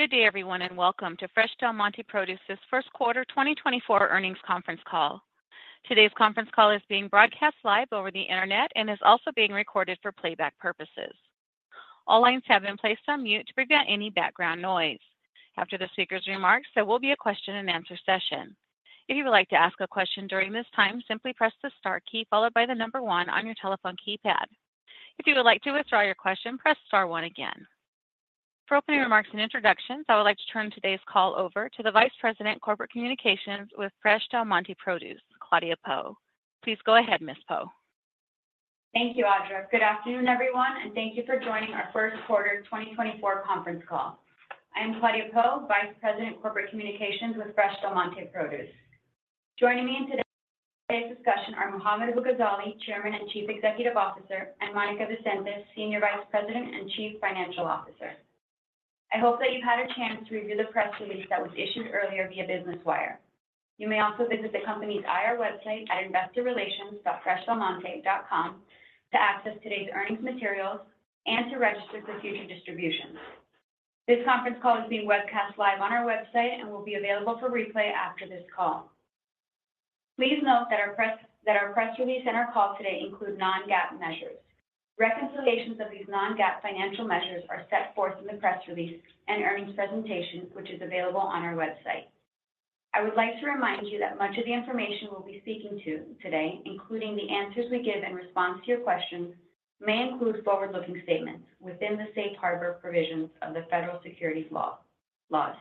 Good day, everyone, and welcome to Fresh Del Monte Produce's first quarter 2024 earnings conference call. Today's conference call is being broadcast live over the internet and is also being recorded for playback purposes. All lines have been placed on mute to prevent any background noise. After the speaker's remarks, there will be a question-and-answer session. If you would like to ask a question during this time, simply press the star key followed by the number 1 on your telephone keypad. If you would like to withdraw your question, press star 1 again. For opening remarks and introductions, I would like to turn today's call over to the Vice President of Corporate Communications with Fresh Del Monte Produce, Claudia Pou. Please go ahead, Ms. Pou. Thank you, Audra. Good afternoon, everyone, and thank you for joining our first quarter 2024 conference call. I am Claudia Pou, Vice President of Corporate Communications with Fresh Del Monte Produce. Joining me in today's discussion are Mohammad Abu-Ghazaleh, Chairman and Chief Executive Officer, and Monica Vicente, Senior Vice President and Chief Financial Officer. I hope that you've had a chance to review the press release that was issued earlier via Business Wire. You may also visit the company's IR website at investorrelations.freshdelmonte.com to access today's earnings materials and to register for future distributions. This conference call is being broadcast live on our website and will be available for replay after this call. Please note that our press release and our call today include non-GAAP measures. Reconciliations of these non-GAAP financial measures are set forth in the press release and earnings presentation, which is available on our website. I would like to remind you that much of the information we'll be speaking to today, including the answers we give in response to your questions, may include forward-looking statements within the safe harbor provisions of the federal securities laws.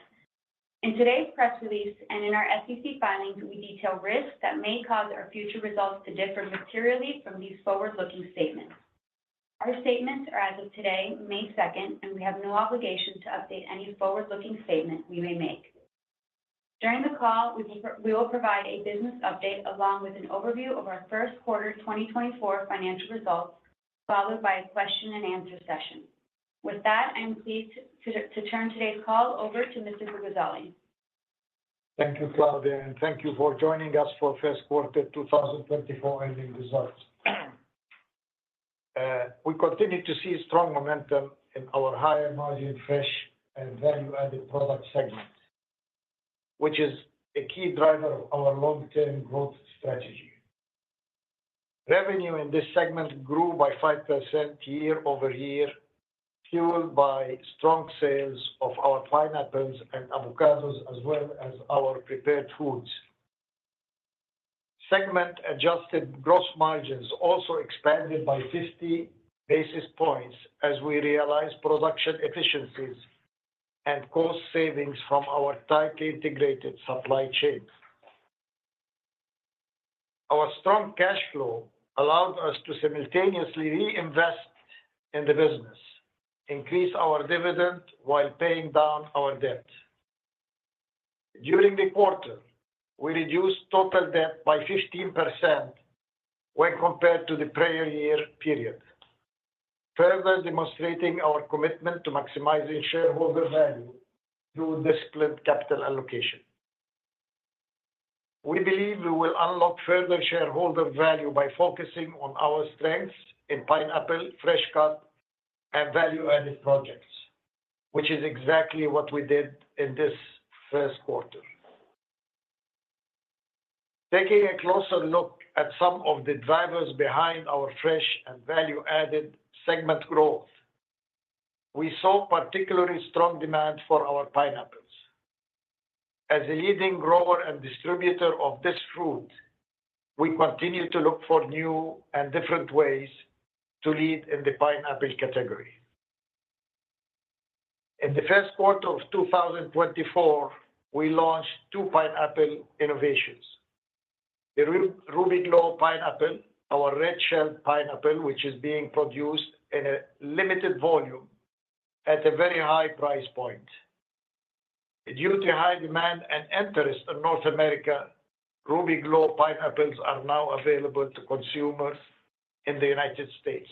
In today's press release and in our SEC filings, we detail risks that may cause our future results to differ materially from these forward-looking statements. Our statements are, as of today, May 2nd, and we have no obligation to update any forward-looking statement we may make. During the call, we will provide a business update along with an overview of our first quarter 2024 financial results, followed by a question-and-answer session. With that, I am pleased to turn today's call over to Mr. Abu-Ghazaleh. Thank you, Claudia, and thank you for joining us for first quarter 2024 earnings results. We continue to see strong momentum in our higher-margin fresh and value-added product segment, which is a key driver of our long-term growth strategy. Revenue in this segment grew by 5% year-over-year, fueled by strong sales of our pineapples and avocados as well as our prepared foods. Segment-adjusted gross margins also expanded by 50 basis points as we realized production efficiencies and cost savings from our tightly integrated supply chain. Our strong cash flow allowed us to simultaneously reinvest in the business, increase our dividend while paying down our debt. During the quarter, we reduced total debt by 15% when compared to the prior year period, further demonstrating our commitment to maximizing shareholder value through disciplined capital allocation. We believe we will unlock further shareholder value by focusing on our strengths in pineapple, fresh cut, and value-added projects, which is exactly what we did in this first quarter. Taking a closer look at some of the drivers behind our fresh and value-added segment growth, we saw particularly strong demand for our pineapples. As a leading grower and distributor of this fruit, we continue to look for new and different ways to lead in the pineapple category. In the first quarter of 2024, we launched two pineapple innovations: the Rubyglow pineapple, our red-shelled pineapple, which is being produced in a limited volume at a very high price point. Due to high demand and interest in North America, Rubyglow pineapples are now available to consumers in the United States.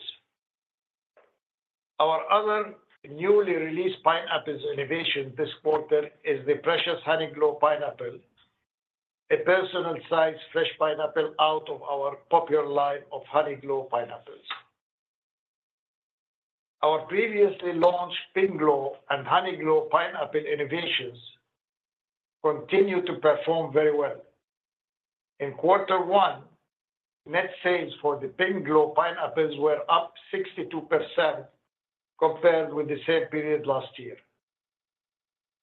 Our other newly released pineapple innovation this quarter is the Precious Honeyglow pineapple, a personal-sized fresh pineapple out of our popular line of Honeyglow pineapples. Our previously launched Pinkglow and Honeyglow pineapple innovations continue to perform very well. In quarter one, net sales for the Pinkglow pineapples were up 62% compared with the same period last year,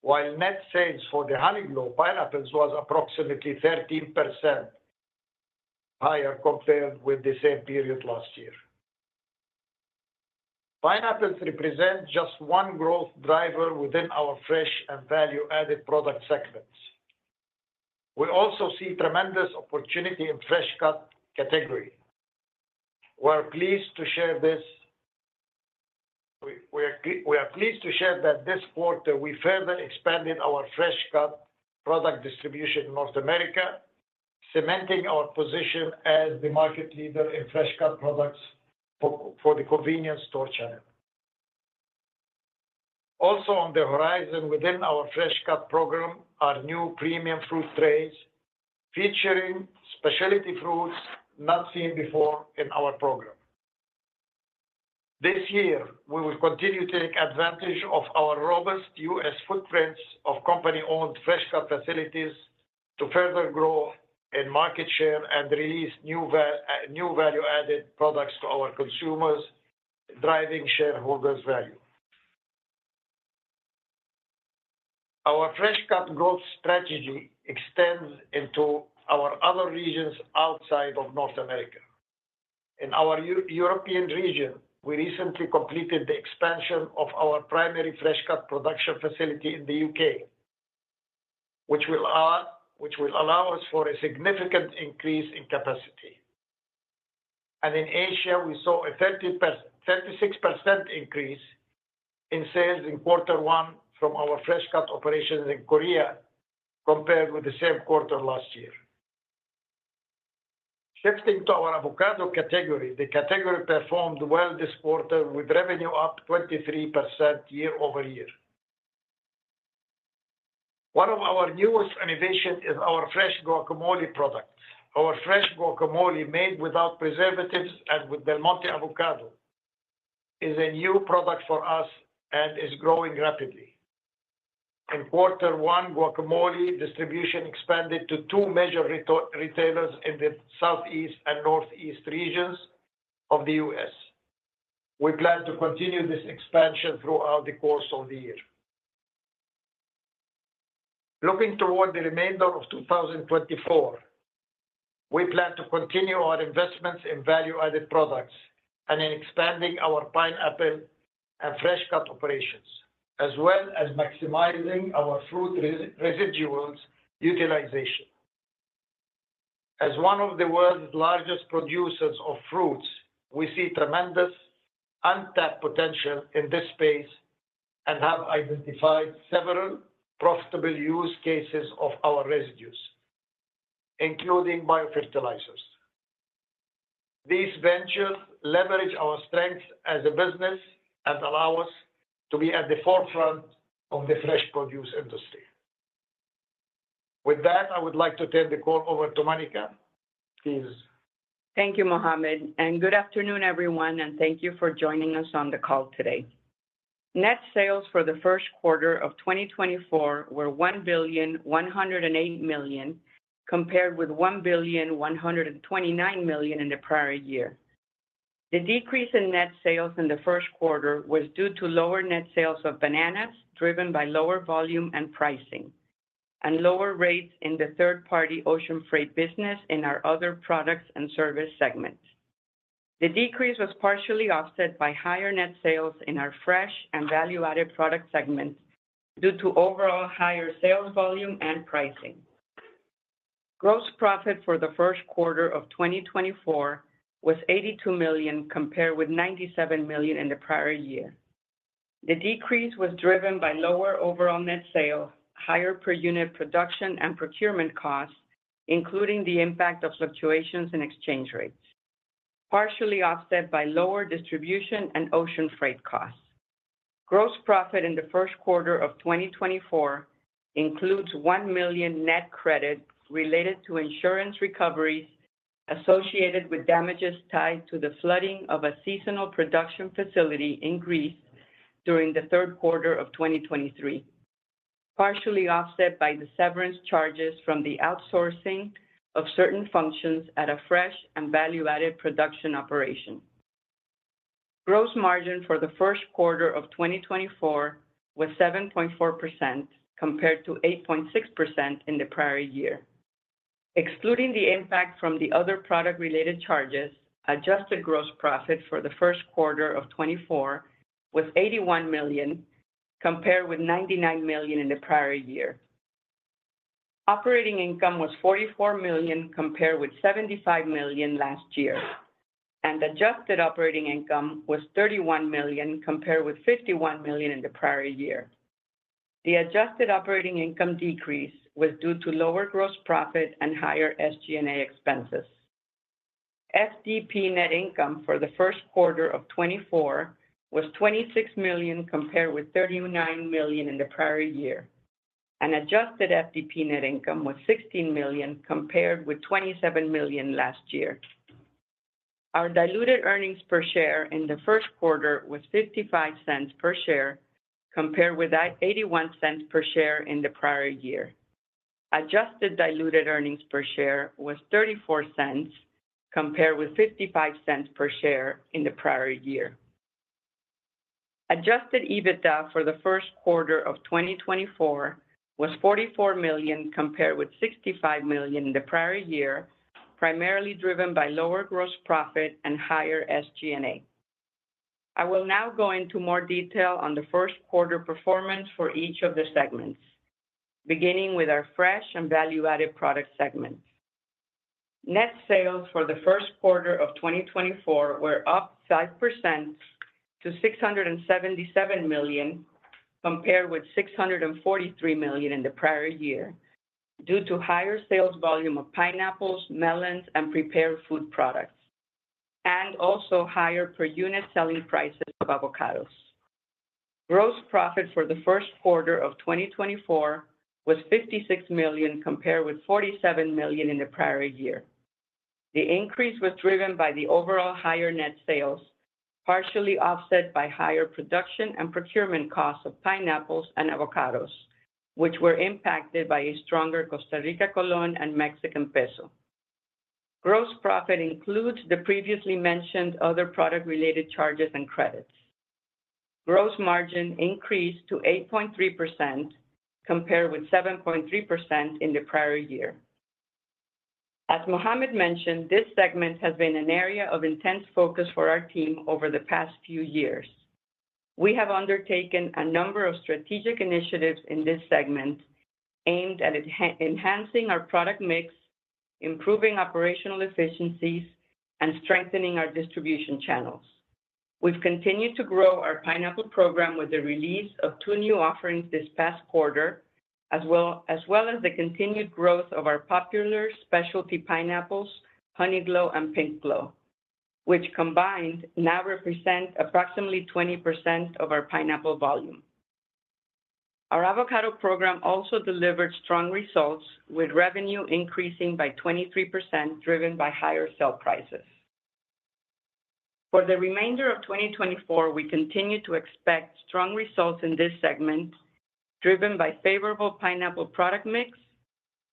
while net sales for the Honeyglow pineapples were approximately 13% higher compared with the same period last year. Pineapples represent just one growth driver within our fresh and value-added product segments. We also see tremendous opportunity in the fresh cut category. We are pleased to share that this quarter we further expanded our fresh cut product distribution in North America, cementing our position as the market leader in fresh cut products for the convenience store channel. Also on the horizon within our fresh cut program are new premium fruit trays featuring specialty fruits not seen before in our program. This year, we will continue to take advantage of our robust U.S. footprints of company-owned fresh cut facilities to further grow in market share and release new value-added products to our consumers, driving shareholders' value. Our fresh cut growth strategy extends into our other regions outside of North America. In our European region, we recently completed the expansion of our primary fresh cut production facility in the U.K., which will allow us for a significant increase in capacity. And in Asia, we saw a 36% increase in sales in quarter one from our fresh cut operations in Korea compared with the same quarter last year. Shifting to our avocado category, the category performed well this quarter with revenue up 23% year-over-year. One of our newest innovations is our fresh guacamole products. Our fresh guacamole made without preservatives and with Del Monte avocado is a new product for us and is growing rapidly. In quarter one, guacamole distribution expanded to two major retailers in the Southeast and Northeast regions of the U.S. We plan to continue this expansion throughout the course of the year. Looking toward the remainder of 2024, we plan to continue our investments in value-added products and in expanding our pineapple and fresh cut operations, as well as maximizing our fruit residuals utilization. As one of the world's largest producers of fruits, we see tremendous untapped potential in this space and have identified several profitable use cases of our residues, including biofertilizers. These ventures leverage our strengths as a business and allow us to be at the forefront of the fresh produce industry. With that, I would like to turn the call over to Monica. Please. Thank you, Mohammad. Good afternoon, everyone, and thank you for joining us on the call today. Net sales for the first quarter of 2024 were $1.108 billion compared with $1.129 billion in the prior year. The decrease in net sales in the first quarter was due to lower net sales of bananas driven by lower volume and pricing, and lower rates in the third-party ocean freight business in our other products and service segments. The decrease was partially offset by higher net sales in our fresh and value-added product segments due to overall higher sales volume and pricing. Gross profit for the first quarter of 2024 was $82 million compared with $97 million in the prior year. The decrease was driven by lower overall net sales, higher per unit production and procurement costs, including the impact of fluctuations in exchange rates, partially offset by lower distribution and ocean freight costs. Gross profit in the first quarter of 2024 includes $1 million net credit related to insurance recoveries associated with damages tied to the flooding of a seasonal production facility in Greece during the third quarter of 2023, partially offset by the severance charges from the outsourcing of certain functions at a fresh and value-added production operation. Gross margin for the first quarter of 2024 was 7.4% compared to 8.6% in the prior year. Excluding the impact from the other product-related charges, adjusted gross profit for the first quarter of 2024 was $81 million compared with $99 million in the prior year. Operating income was $44 million compared with $75 million last year, and adjusted operating income was $31 million compared with $51 million in the prior year. The adjusted operating income decrease was due to lower gross profit and higher SG&A expenses. FDP net income for the first quarter of 2024 was $26 million compared with $39 million in the prior year, and adjusted FDP net income was $16 million compared with $27 million last year. Our diluted earnings per share in the first quarter was $0.55 per share compared with $0.81 per share in the prior year. Adjusted diluted earnings per share was $0.34 compared with $0.55 per share in the prior year. Adjusted EBITDA for the first quarter of 2024 was $44 million compared with $65 million in the prior year, primarily driven by lower gross profit and higher SG&A. I will now go into more detail on the first quarter performance for each of the segments, beginning with our fresh and value-added product segments. Net sales for the first quarter of 2024 were up 5% to $677 million compared with $643 million in the prior year due to higher sales volume of pineapples, melons, and prepared food products, and also higher per unit selling prices of avocados. Gross profit for the first quarter of 2024 was $56 million compared with $47 million in the prior year. The increase was driven by the overall higher net sales, partially offset by higher production and procurement costs of pineapples and avocados, which were impacted by a stronger Costa Rican colón and Mexican peso. Gross profit includes the previously mentioned other product-related charges and credits. Gross margin increased to 8.3% compared with 7.3% in the prior year. As Mohammad mentioned, this segment has been an area of intense focus for our team over the past few years. We have undertaken a number of strategic initiatives in this segment aimed at enhancing our product mix, improving operational efficiencies, and strengthening our distribution channels. We've continued to grow our pineapple program with the release of two new offerings this past quarter, as well as the continued growth of our popular specialty pineapples, Honeyglow and Pinkglow, which combined now represent approximately 20% of our pineapple volume. Our avocado program also delivered strong results, with revenue increasing by 23% driven by higher sale prices. For the remainder of 2024, we continue to expect strong results in this segment driven by favorable pineapple product mix,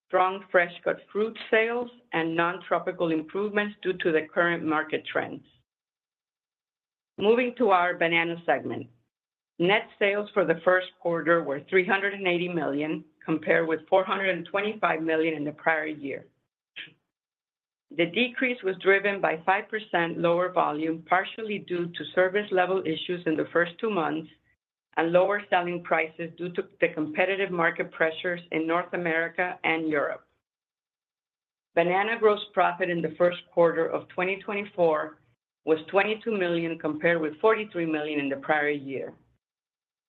strong fresh cut fruit sales, and non-tropical improvements due to the current market trends. Moving to our banana segment, net sales for the first quarter were $380 million compared with $425 million in the prior year. The decrease was driven by 5% lower volume, partially due to service-level issues in the first two months and lower selling prices due to the competitive market pressures in North America and Europe. Banana gross profit in the first quarter of 2024 was $22 million compared with $43 million in the prior year.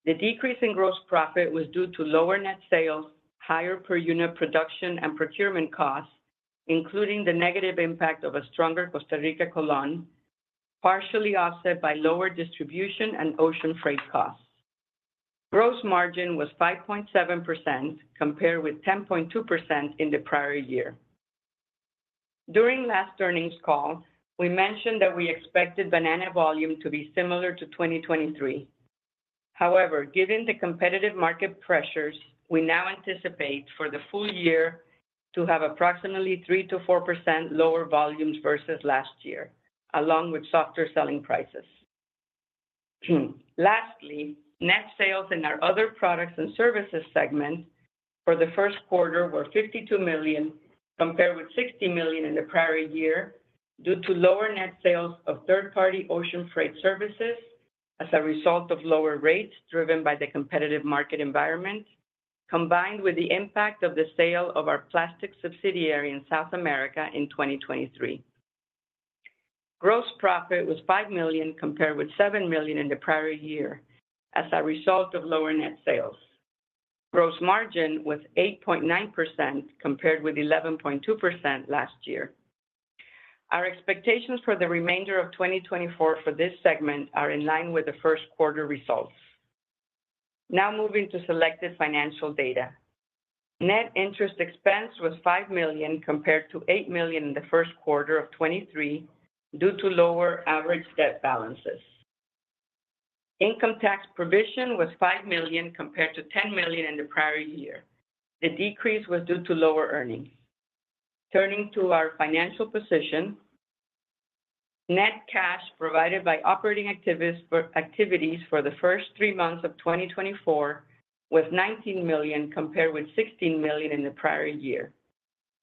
The decrease in gross profit was due to lower net sales, higher per unit production and procurement costs, including the negative impact of a stronger Costa Rican colón, partially offset by lower distribution and ocean freight costs. Gross margin was 5.7% compared with 10.2% in the prior year. During last earnings call, we mentioned that we expected banana volume to be similar to 2023. However, given the competitive market pressures, we now anticipate for the full year to have approximately 3%-4% lower volumes versus last year, along with softer selling prices. Lastly, net sales in our other products and services segment for the first quarter were $52 million compared with $60 million in the prior year due to lower net sales of third-party ocean freight services as a result of lower rates driven by the competitive market environment, combined with the impact of the sale of our plastic subsidiary in South America in 2023. Gross profit was $5 million compared with $7 million in the prior year as a result of lower net sales. Gross margin was 8.9% compared with 11.2% last year. Our expectations for the remainder of 2024 for this segment are in line with the first quarter results. Now moving to selected financial data. Net interest expense was $5 million compared to $8 million in the first quarter of 2023 due to lower average debt balances. Income tax provision was $5 million compared to $10 million in the prior year. The decrease was due to lower earnings. Turning to our financial position, net cash provided by operating activities for the first three months of 2024 was $19 million compared with $16 million in the prior year.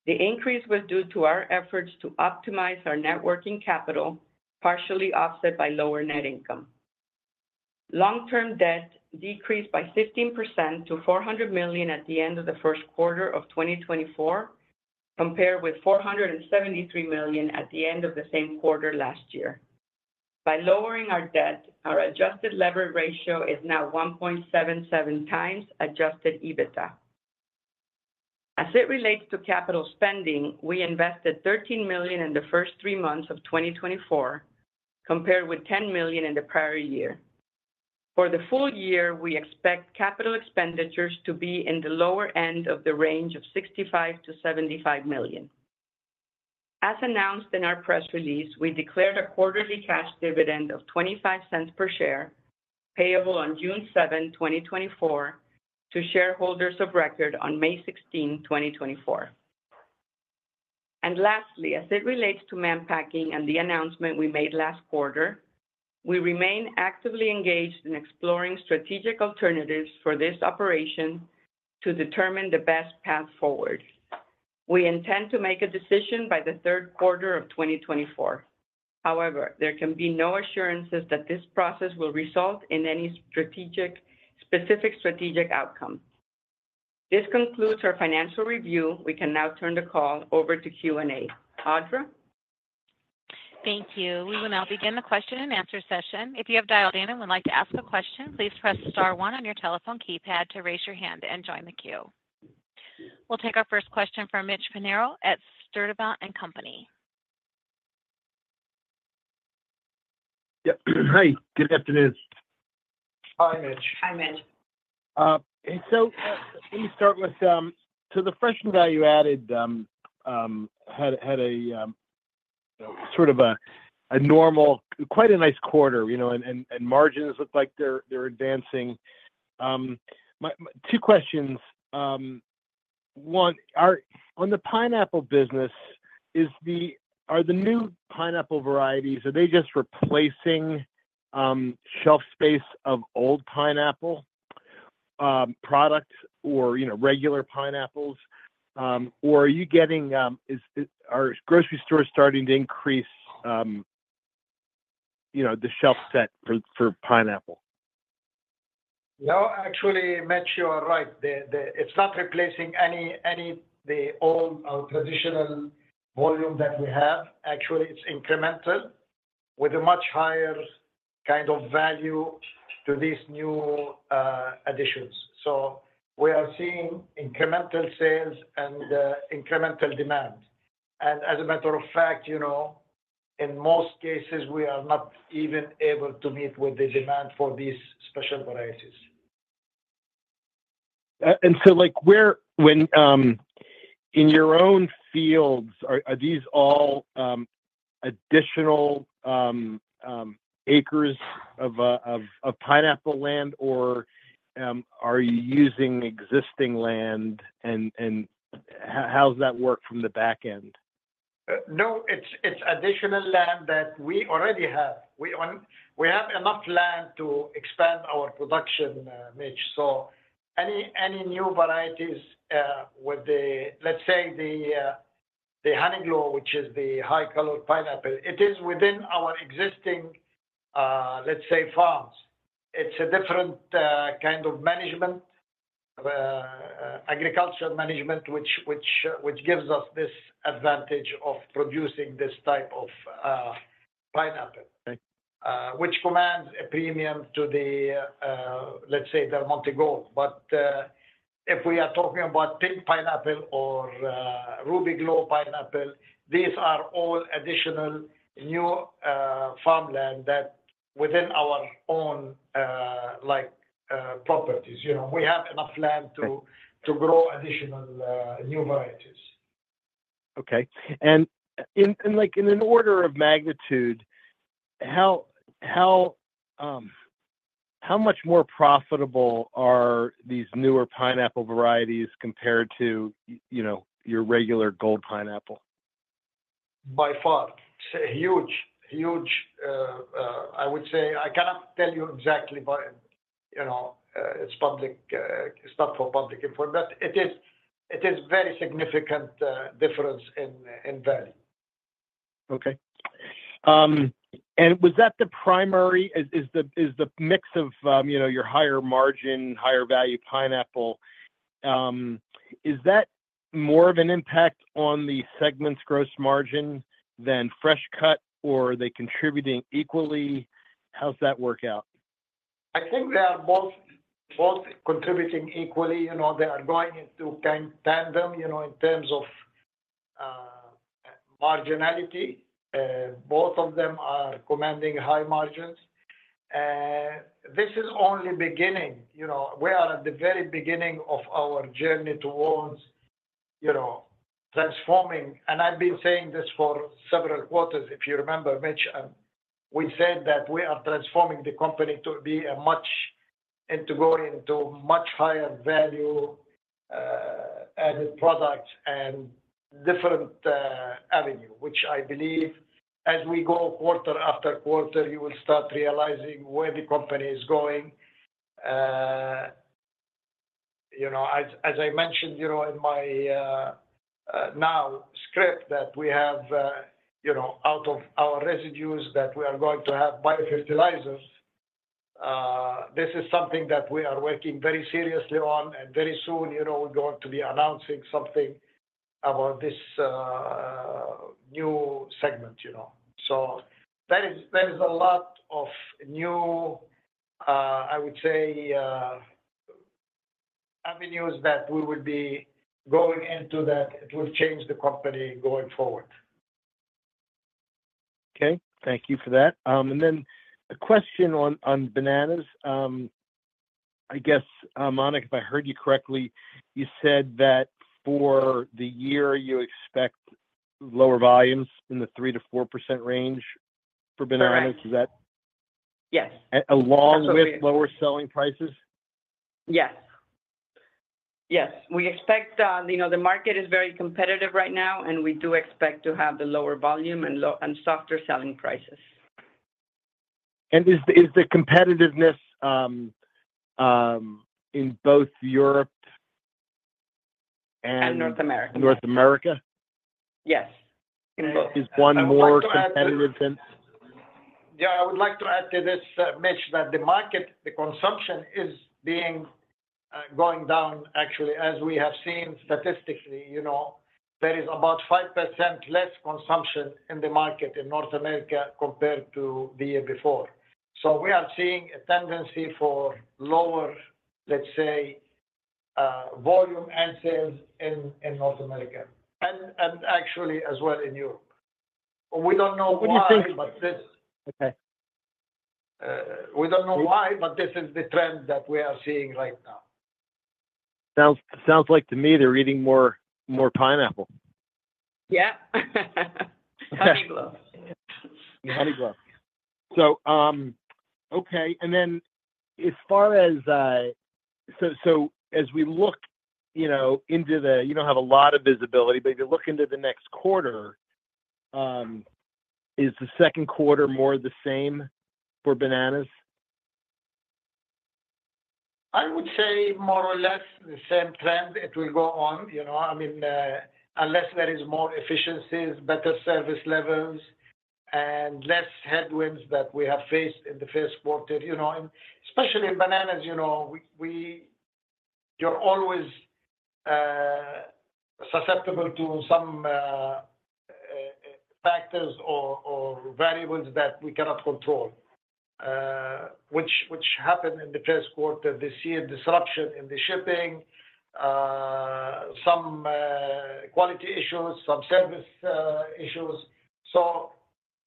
The increase was due to our efforts to optimize our working capital, partially offset by lower net income. Long-term debt decreased by 15% to $400 million at the end of the first quarter of 2024 compared with $473 million at the end of the same quarter last year. By lowering our debt, our adjusted leverage ratio is now 1.77x adjusted EBITDA. As it relates to capital spending, we invested $13 million in the first three months of 2024 compared with $10 million in the prior year. For the full year, we expect capital expenditures to be in the lower end of the range of $65 million-$75 million. As announced in our press release, we declared a quarterly cash dividend of $0.25 per share, payable on June 7, 2024, to shareholders of record on May 16, 2024. Lastly, as it relates to Mann Packing and the announcement we made last quarter, we remain actively engaged in exploring strategic alternatives for this operation to determine the best path forward. We intend to make a decision by the third quarter of 2024. However, there can be no assurances that this process will result in any specific strategic outcome. This concludes our financial review. We can now turn the call over to Q&A. Audra? Thank you. We will now begin the question-and-answer session. If you have dialed in and would like to ask a question, please press star one on your telephone keypad to raise your hand and join the queue. We'll take our first question from Mitchell Pinheiro at Sturdivant & Company. Yep. Hi. Good afternoon. Hi, Mitch. Hi, Mitch. So let me start with the fresh and value-added had a sort of a normal quite a nice quarter, and margins look like they're advancing. Two questions. One, on the pineapple business, are the new pineapple varieties just replacing shelf space of old pineapple products or regular pineapples, or are you getting grocery stores starting to increase the shelf set for pineapple? No, actually, Mitch, you are right. It's not replacing any of the old traditional volume that we have. Actually, it's incremental with a much higher kind of value to these new additions. So we are seeing incremental sales and incremental demand. And as a matter of fact, in most cases, we are not even able to meet with the demand for these special varieties. And so in your own fields, are these all additional acres of pineapple land, or are you using existing land, and how does that work from the back end? No, it's additional land that we already have. We have enough land to expand our production, Mitch. So any new varieties with the, let's say, the Honeyglow, which is the high-colored pineapple, it is within our existing, let's say, farms. It's a different kind of agricultural management, which gives us this advantage of producing this type of pineapple, which commands a premium to the, let's say, Del Monte Gold. But if we are talking about Pinkglow pineapple or Rubyglow pineapple, these are all additional new farmland within our own properties. We have enough land to grow additional new varieties. Okay. In an order of magnitude, how much more profitable are these newer pineapple varieties compared to your regular Gold pineapple? By far. It's huge, huge. I would say I cannot tell you exactly. It's not for public information, but it is very significant difference in value. Okay. And was that the primary is the mix of your higher margin, higher value pineapple. Is that more of an impact on the segment's gross margin than fresh cut, or are they contributing equally? How's that work out? I think they are both contributing equally. They are going into tandem in terms of marginality. Both of them are commanding high margins. This is only beginning. We are at the very beginning of our journey towards transforming. I've been saying this for several quarters, if you remember, Mitch. We said that we are transforming the company to be a much into going into much higher value-added products and different avenue, which I believe as we go quarter after quarter, you will start realizing where the company is going. As I mentioned in my now script that we have out of our residues that we are going to have biofertilizers, this is something that we are working very seriously on. Very soon, we're going to be announcing something about this new segment. There is a lot of new, I would say, avenues that we will be going into that it will change the company going forward. Okay. Thank you for that. And then a question on bananas. I guess, Monica, if I heard you correctly, you said that for the year, you expect lower volumes in the 3%-4% range for bananas. Is that? Correct. Yes. Along with lower selling prices? Yes. Yes. We expect the market is very competitive right now, and we do expect to have the lower volume and softer selling prices. Is the competitiveness in both Europe and? And North America. North America? Yes. In both. Is one more competitive than? Yeah. I would like to add to this, Mitch, that the market, the consumption, is going down, actually. As we have seen statistically, there is about 5% less consumption in the market in North America compared to the year before. So we are seeing a tendency for lower, let's say, volume and sales in North America and actually as well in Europe. We don't know why, but this. What do you think? We don't know why, but this is the trend that we are seeing right now. Sounds like to me, they're eating more pineapple. Yeah. Honeyglow. Honeyglow. So, okay. And then, as far as we look into the—you don't have a lot of visibility, but if you look into the next quarter, is the second quarter more the same for bananas? I would say more or less the same trend. It will go on. I mean, unless there is more efficiencies, better service levels, and less headwinds that we have faced in the first quarter. Especially in bananas, you're always susceptible to some factors or variables that we cannot control, which happened in the first quarter this year, disruption in the shipping, some quality issues, some service issues. So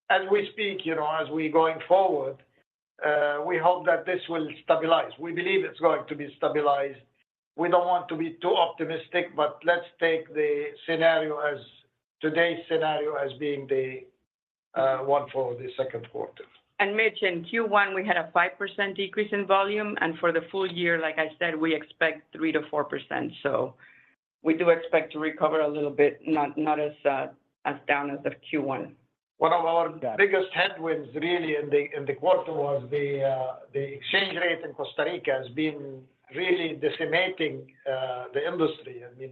as we speak, as we're going forward, we hope that this will stabilize. We believe it's going to be stabilized. We don't want to be too optimistic, but let's take today's scenario as being the one for the second quarter. Mitch, in Q1, we had a 5% decrease in volume. For the full year, like I said, we expect 3%-4%. So we do expect to recover a little bit, not as down as Q1. One of our biggest headwinds, really, in the quarter was the exchange rate in Costa Rica has been really decimating the industry. I mean,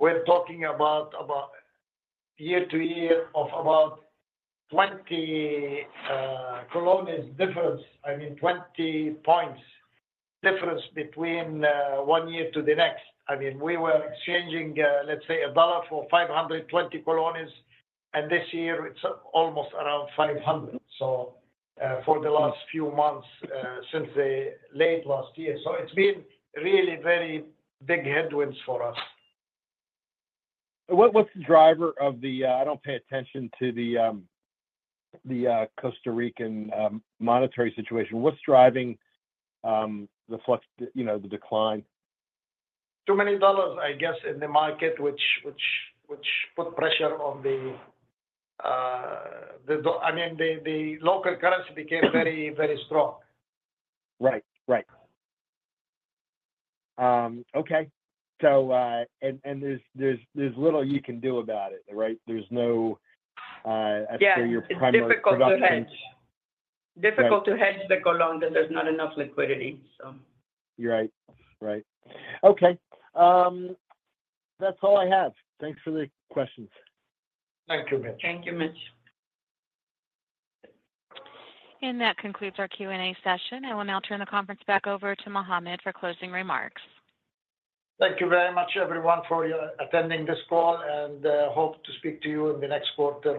we're talking about year-to-year of about 20 colones difference. I mean, 20 points difference between one year to the next. I mean, we were exchanging, let's say, $1 for CRC 520. And this year, it's almost around 500 for the last few months since late last year. So it's been really very big headwinds for us. What's the driver of the decline? I don't pay attention to the Costa Rican monetary situation. What's driving the decline? Too many dollars, I guess, in the market, which put pressure on, I mean, the local currency became very, very strong. Right. Right. Okay. And there's little you can do about it, right? There's no, I'd say, your primary prevention. Yeah. It's difficult to hedge. Difficult to hedge the colón because there's not enough liquidity, so. You're right. Right. Okay. That's all I have. Thanks for the questions. Thank you, Mitch. Thank you, Mitch. That concludes our Q&A session. I will now turn the conference back over to Mohammad for closing remarks. Thank you very much, everyone, for attending this call, and hope to speak to you in the next quarter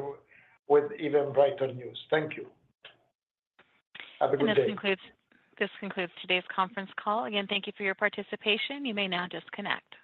with even brighter news. Thank you. Have a good day. This concludes today's conference call. Again, thank you for your participation. You may now disconnect.